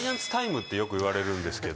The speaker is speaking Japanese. よく言われるんですけど。